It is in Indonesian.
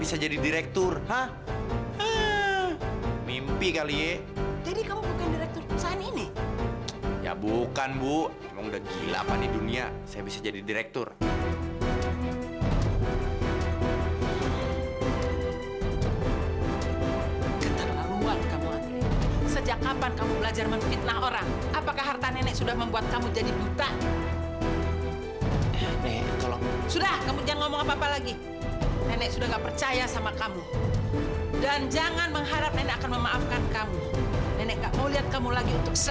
sampai jumpa di video selanjutnya